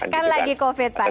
kan lagi covid pak